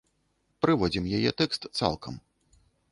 Прыводзім яе тэкст цалкам.